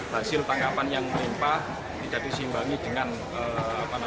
hasil tanggapan yang melimpah tidak dikira